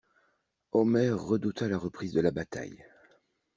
Omer redouta la reprise de la bataille.